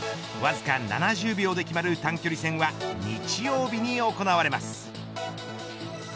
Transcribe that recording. わずか７０秒で決まる短距離戦は日曜日に行われます。